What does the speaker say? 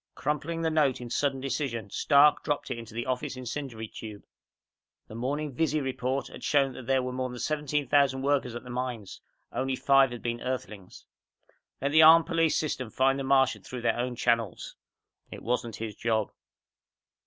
Crumpling the note in sudden decision, Stark dropped it into the office incendiary tube. The morning visi report had shown that there were more than 17,000 workers at the mines. Only five had been Earthlings. Let the armed police system find the Martian through their own channels. It wasn't his job.